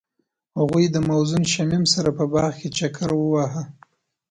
هغوی د موزون شمیم سره په باغ کې چکر وواهه.